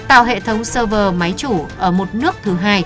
tạo hệ thống server máy chủ ở một nước thứ hai